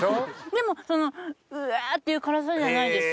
でもそんなうわっていう辛さじゃないです。